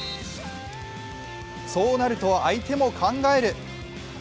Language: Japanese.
そうなると相手も考える。